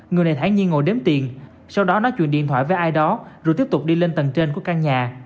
người này thản nhiên ngồi đếm tiền sau đó nói chuyện điện thoại với ai đó rồi tiếp tục đi lên tầng trên của căn nhà